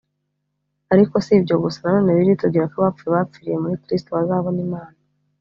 Ariko si ibyo gusa Nanone Bibiliya itubwira ko abapfuye bapfiriye muri kiristo bazabona imana